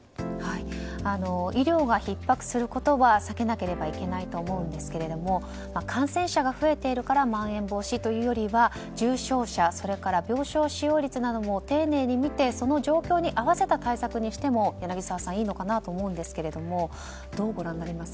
医療がひっ迫することは避けなければいけないと思うんですが感染者が増えているからまん延防止というよりは重症者それから病床使用率なども丁寧に見てその状況に合わせた対策にしてもいいのかなと思いますが柳澤さん